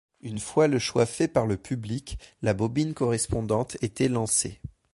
Une fois le choix fait par le public, la bobine correspondante était lancée.